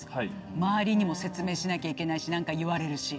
周りにも説明しなきゃいけないし何か言われるし。